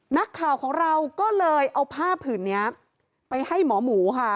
นักข่าวของเราก็เลยเอาผ้าผืนนี้ไปให้หมอหมูค่ะ